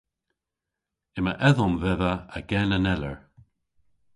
Yma edhom dhedha a gen aneller.